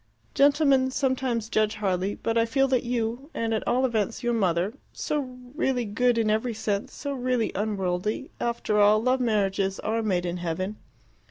"Gentlemen sometimes judge hardly. But I feel that you, and at all events your mother so really good in every sense, so really unworldly after all, love marriages are made in heaven."